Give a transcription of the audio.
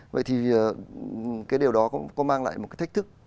vậy thì cái điều đó cũng có mang lại một cái thách thức